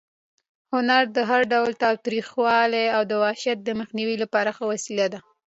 هنر د هر ډول تاوتریخوالي او وحشت د مخنیوي لپاره ښه وسله ده.